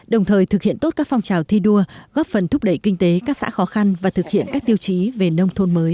đồng thời thực hiện tốt các phong trào thi đua góp phần thúc đẩy kinh tế các xã khó khăn và thực hiện các tiêu chí về nông thôn mới